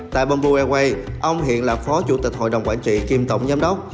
tại bamboo airways ông hiện là phó chủ tịch hội đồng quản trị kiêm tổng giám đốc